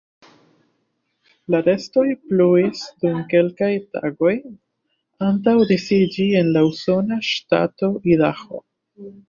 La restoj pluis dum kelkaj tagoj antaŭ disiĝi en la usona ŝtato Idaho.